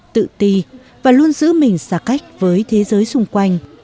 tự ti và luôn giữ mình xa cách với thế giới xung quanh